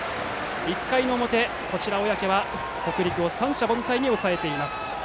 １回の表、小宅は北陸を三者凡退に抑えました。